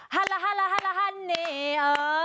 ฮัลล่าฮัลล่าฮันนี่เออ